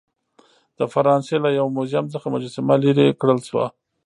د فرانسې له یو موزیم څخه مجسمه لیرې کړل شوه.